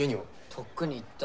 とっくに行った。